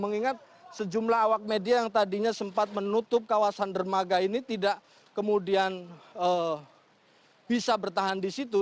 mengingat sejumlah awak media yang tadinya sempat menutup kawasan dermaga ini tidak kemudian bisa bertahan di situ